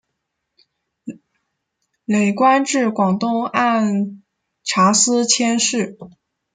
累官至广东按察司佥事。